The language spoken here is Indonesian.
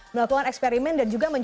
melakukan eksperimen dan juga